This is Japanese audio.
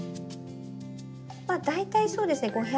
まあ大体そうですね